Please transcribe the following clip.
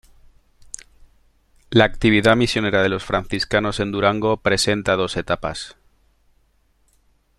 La actividad misionera de los franciscanos en Durango presenta dos etapas.